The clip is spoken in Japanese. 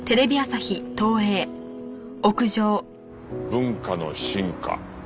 文化の進化。